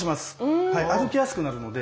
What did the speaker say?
歩きやすくなるので。